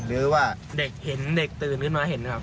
หรือว่าเผ็ดเห็นตื่นขึ้นมาแล้วเห็นครับ